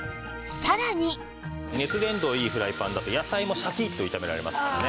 熱伝導がいいフライパンだと野菜もシャキッと炒められますからね。